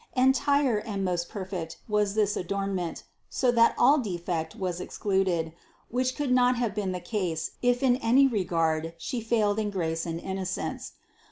Entire and most perfect was this adornment, so that all defect was excluded, which would not have been the case, if in any regard She failed in grace and innocence.